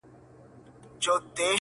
د مستو پېغلو د پاولیو وطن.!